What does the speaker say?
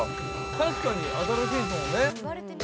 確かに新しいですもんね。